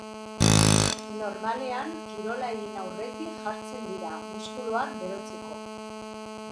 Normalean kirola egin aurretik jartzen dira, muskuluak berotzeko.